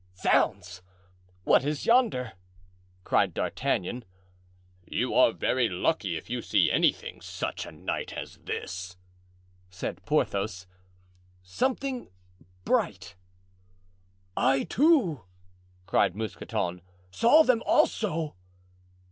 "Zounds! what is yonder?" cried D'Artagnan. "You are very lucky if you see anything such a night as this," said Porthos. "Something bright." "I, too," cried Mousqueton, "saw them also."